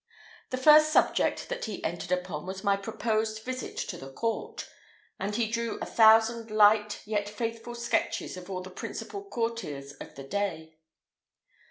The first subject that he entered upon was my proposed visit to the court; and he drew a thousand light, yet faithful sketches of all the principal courtiers of the day.